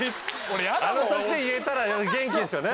あの年で言えたら元気ですよね